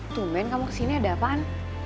tungguin kamu kesini ada apaan